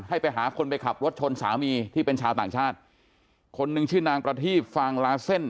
ให้ไปหาคนไปขับรถชนสามีที่เป็นชาวต่างชาติคนหนึ่งชื่อนางประทีบฟางลาเส้น